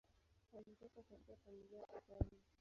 Alitoka katika familia ya kifalme.